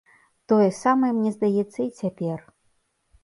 Тое самае мне здаецца і цяпер.